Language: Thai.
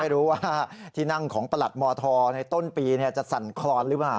รู้ว่าที่นั่งของประหลัดมธในต้นปีจะสั่นคลอนหรือเปล่า